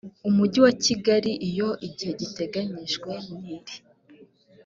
umujyi wa kigali iyo igihe giteganyijwe n iri